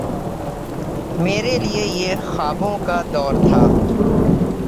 میرے لیے یہ خوابوں کا دور تھا۔